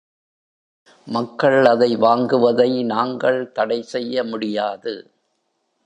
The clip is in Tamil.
மக்கள் அதை வாங்குவதை நாங்கள் தடை செய்ய முடியாது.